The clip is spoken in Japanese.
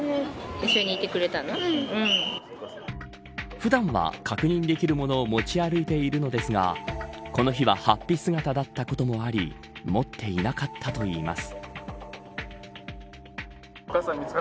普段は確認できるものを持ち歩いているのですがこの日は法被姿だったこともあり持っていなかったといいます。